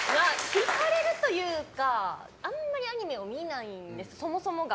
引かれるというかあんまりアニメを見ないそもそもが。